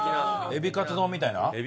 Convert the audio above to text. エビカツ丼みたいな？